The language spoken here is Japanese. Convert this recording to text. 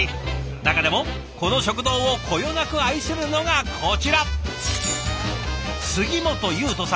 中でもこの食堂をこよなく愛するのがこちら杉本佑斗さん